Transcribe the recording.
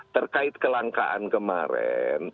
terkait kelangkaan kemarin